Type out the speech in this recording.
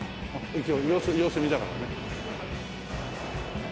様子見様子見だからね。